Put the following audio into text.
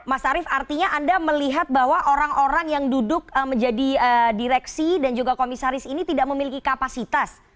mas arief artinya anda melihat bahwa orang orang yang duduk menjadi direksi dan juga komisaris ini tidak memiliki kapasitas